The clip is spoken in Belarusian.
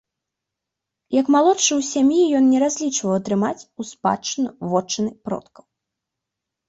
Як малодшы ў сям'і ён не разлічваў атрымаць у спадчыну вотчыны продкаў.